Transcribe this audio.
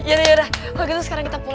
udahudah ya lebih baru capek